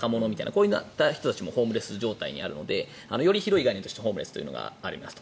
こういった人たちもホームレス状態としてあるのでより広い概念としてホームレスというのがありますと。